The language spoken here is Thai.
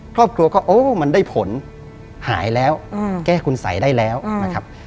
ครอบครัวก็โอ้มันได้ผลหายแล้วแก้คุณสัยได้แล้วนะครับ